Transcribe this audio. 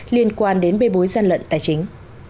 liên quan đến bê bối gian lận tài chính